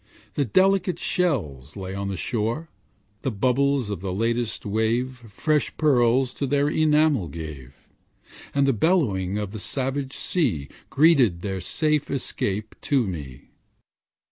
The delicate shells lay on the shore; The bubbles of the latest wave Fresh pearls to their enamel gave, And the bellowing of the savage sea Greeted their safe escape to me.